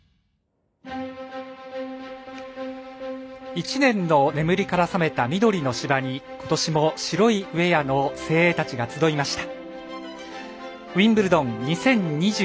１年の眠りから目覚めた緑の芝に今年も白いウエアの精鋭たちが集いました。